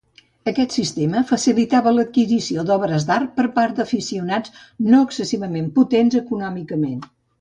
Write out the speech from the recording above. Aquest sistema facilitava l'adquisició d'obres d'art per part d'aficionats no excessivament potents econòmicament.